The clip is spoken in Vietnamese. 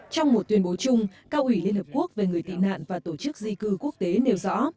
trong một tuyên bố chung cao ủy liên hợp quốc về người tị nạn và tổ chức di cư quốc tế nêu rõ